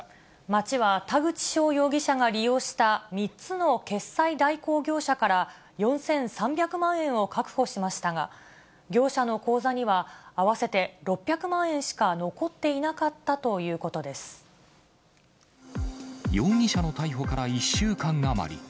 町は田口翔容疑者が利用した３つの決済代行業者から、４３００万円を確保しましたが、業者の口座には、合わせて６００万円しか残っていなかったという容疑者の逮捕から１週間余り。